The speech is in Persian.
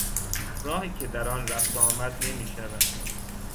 راهی که در آن رفت و آمد نمیشود